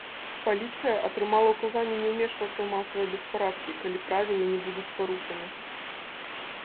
Паліцыя атрымала ўказанне не ўмешвацца ў масавыя беспарадкі, калі правілы не будуць парушаны.